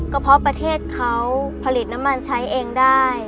ก็เพราะประเทศเขาผลิตน้ำมันใช้เองได้